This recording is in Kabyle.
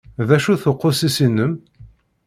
D acu-t uqusis-inem?